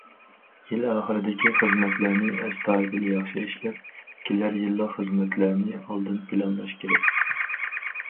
يىل ئاخىرىدىكى خىزمەتلەرنى ئەستايىدىل ياخشى ئىشلەپ، كېلەر يىللىق خىزمەتلەرنى ئالدىن پىلانلاش كېرەك.